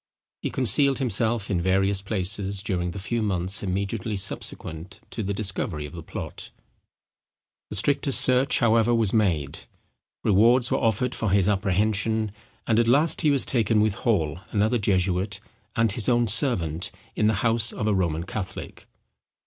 He concealed himself in various places during the few months immediately subsequent to the discovery of the plot; the strictest search, however, was made; rewards were offered for his apprehension; and at last he was taken with Hall, another jesuit, and his own servant, in the house of a Roman Catholic.